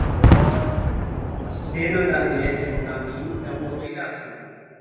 A cena da neve no caminho é uma obrigação